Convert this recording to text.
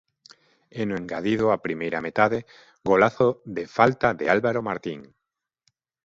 E no engadido a primeira metade, golazo de falta de Álvaro Martín.